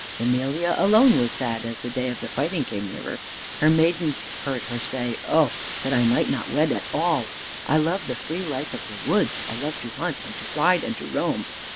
Emelia alone was sad as the day of the fighting came nearer. Her maidens heard her say, "Oh that I might not wed at all! I love the free life of the woods. I love to hunt, and to ride, and to roam.